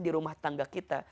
di rumah tangga kita